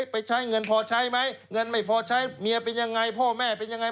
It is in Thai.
ไปใช้เงินพอใช้ไหมเงินไม่พอใช้เมียเป็นยังไงพ่อแม่เป็นยังไง